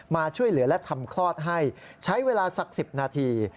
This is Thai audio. มาช่วยเหลือและทำคลอดให้ใช้เวลาสัก๑๐นาที